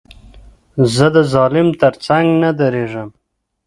زه د ظالم تر څنګ نه درېږم.